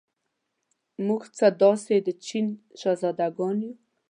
موږ څه داسې د چین شهزادګان یو.